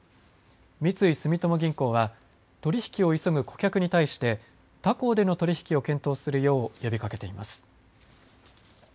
三井住友銀行は取り引きを急ぐ顧客に対して他行での取り引きを検討するよう呼びかけています。